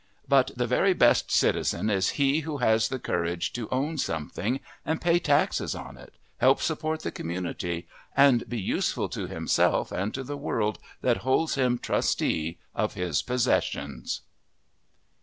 But the very best citizen is he who has the courage to own something and pay taxes on it, help support the community, and be useful to himself and to the world that holds him trustee of his possessions.